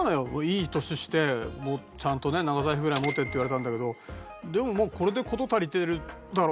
いい年してもっとちゃんとね長財布ぐらい持てって言われたんだけどでもこれで事足りてる。